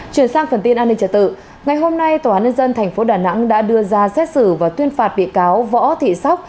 chuyển sang phần tin an ninh trả tự ngày hôm nay tòa án nhân dân tp đà nẵng đã đưa ra xét xử và tuyên phạt bị cáo võ thị sóc